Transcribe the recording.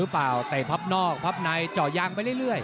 พับนอกพับไหนเจาะยางไปเรื่อย